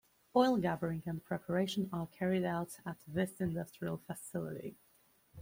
Oil gathering and preparation are carried out at this industrial facility.